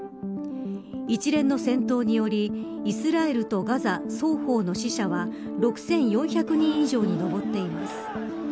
一連の戦闘によりイスラエルとガザ、双方の死者は６４００人以上に上っています。